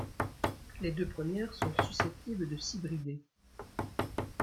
Les deux premières sont susceptibles de s'hybrider.